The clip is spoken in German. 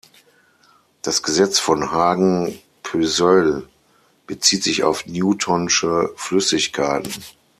Das Gesetz von Hagen-Poiseuille bezieht sich auf Newtonsche Flüssigkeiten.